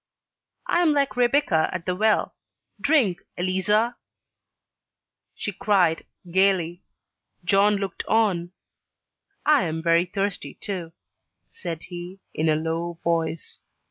"I am like Rebecca at the well. Drink, Eleazer," she cried, gaily. John looked on. "I am very thirsty, too," said he, in a low voice.